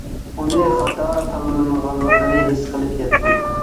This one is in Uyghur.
ئۇنى خاتا تاللىمىغانلىقىنى ھېس قىلىپ يەتتىم.